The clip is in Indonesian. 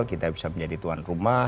kita bisa menjadi tuan rumah